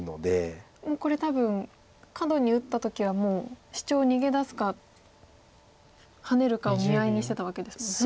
もうこれ多分カドに打った時はシチョウ逃げ出すかハネるかを見合いにしてたわけですもんね。